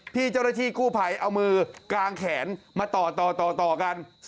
พี่เจ้าระชีกู้ไพรเอามือกลางแขนมาต่อกัน